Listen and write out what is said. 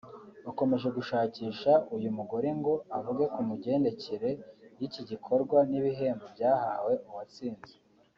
bakomeje gushakisha uyu mugore ngo avuge ku mugendekere y’iki gikorwa n’ibihembo byahawe uwatsinze